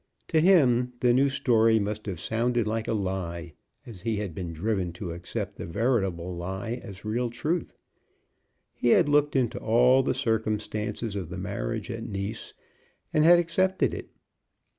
To him the new story must have sounded like a lie, as he had been driven to accept the veritable lie as real truth. He had looked into all the circumstances of the marriage at Nice, and had accepted it.